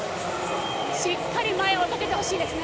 しっかり前を見てほしいですね。